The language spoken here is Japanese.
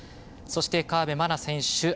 そして河辺愛菜選手